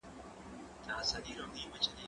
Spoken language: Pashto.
کار د ډلې له خوا ترسره کيږي؟!